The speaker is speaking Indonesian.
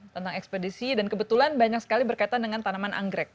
tentang ekspedisi dan kebetulan banyak sekali berkaitan dengan tanaman anggrek